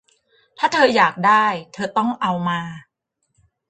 ถ้าเธออยากได้ เธอต้องเอามา